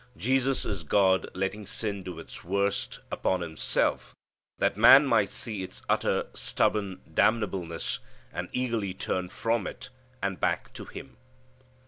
Jesus is God letting sin do its worst, upon Himself, that man might see its utter, stubborn damnableness, and eagerly turn from it, and back to Him.